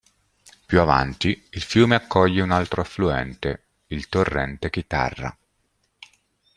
Più avanti il fiume accoglie un altro affluente, il "torrente Chitarra".